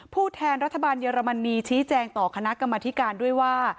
แทนรัฐบาลเยอรมนีชี้แจงต่อคณะกรรมธิการด้วยว่า